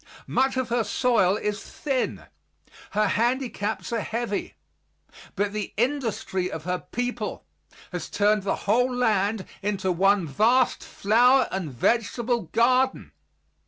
Much of her soil is thin; her handicaps are heavy, but the industry of her people has turned the whole land into one vast flower and vegetable garden.